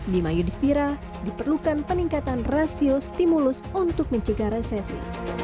di mayudistira diperlukan peningkatan rasio stimulus untuk menjaga resesi